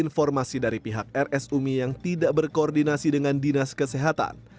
informasi dari pihak rs umi yang tidak berkoordinasi dengan dinas kesehatan